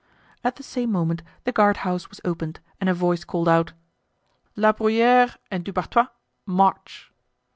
At the same moment the guardhouse was opened and a voice called out: "La Bruyere and Du Barthois! March!"